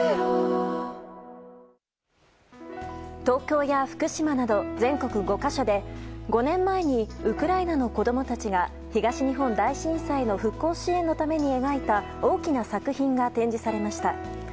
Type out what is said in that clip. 東京や福島など全国５か所で５年前にウクライナの子供たちが東日本大震災の復興支援のために描いた大きな作品が展示されました。